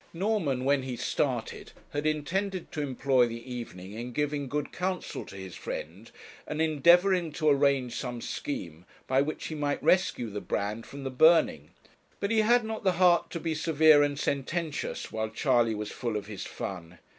Norman, when he started, had intended to employ the evening in giving good counsel to his friend, and in endeavouring to arrange some scheme by which he might rescue the brand from the burning; but he had not the heart to be severe and sententious while Charley was full of his fun.